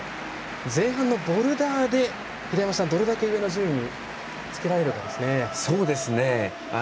前半のボルダーで、どれだけ上の順位につけられるかですね。